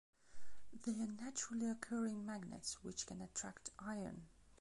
They are naturally occurring magnets, which can attract iron.